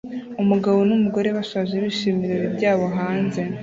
Umugabo n'umugore bashaje bishimira ibirori byabo hanze